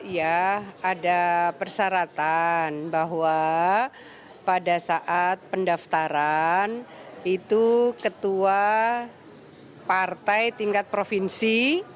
ya ada persyaratan bahwa pada saat pendaftaran itu ketua partai tingkat provinsi